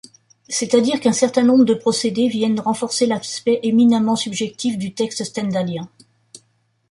C’est-à-dire qu’un certain nombre de procédés viennent renforcer l’aspect éminemment subjectif du texte stendhalien.